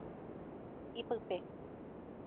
Ipype.